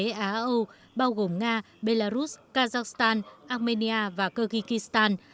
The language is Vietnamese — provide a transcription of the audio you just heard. nhóm g năm a âu bao gồm nga belarus kazakhstan armenia và kyrgyzstan